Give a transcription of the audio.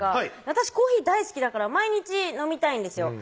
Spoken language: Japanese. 私コーヒー大好きだから毎日飲みたいんですよ